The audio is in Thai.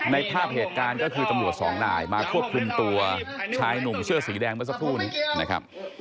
ภาพเหตุการณ์ก็คือตำรวจสองนายมาควบคุมตัวชายหนุ่มเสื้อสีแดงเมื่อสักครู่นี้นะครับ